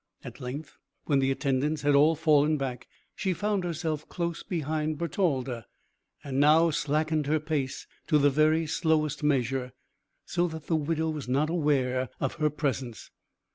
At length, when the attendants had all fallen back, she found herself close behind Bertalda, and now slackened her pace to the very slowest measure, so that the widow was not aware of her presence.